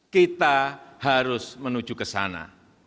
kita harus menuju ke sana